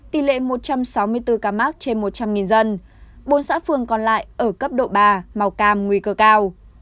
tỷ lệ một trăm sáu mươi bốn ca mắc trên một trăm linh dân bốn xã phường còn lại ở cấp độ ba màu cam nguy cơ cao